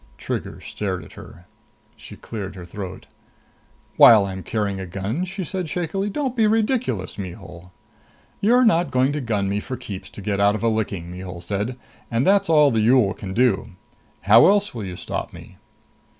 Trigger stared at her. She cleared her throat. "While I'm carrying a gun?" she said shakily. "Don't be ridiculous, Mihul!" "You're not going to gun me for keeps to get out of a licking," Mihul said. "And that's all the Yool can do. How else will you stop me?"